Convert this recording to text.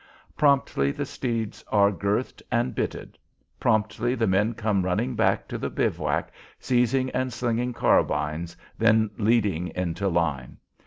Promptly the steeds are girthed and bitted. Promptly the men come running back to the bivouac, seizing and slinging carbines, then leading into line.